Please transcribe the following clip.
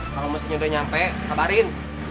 kalau mesinnya udah nyampe kabarin